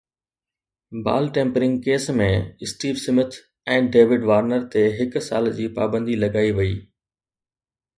بال tampering case ۾ Steve Smith ۽ David Warner تي هڪ سال جي پابندي لڳائي وئي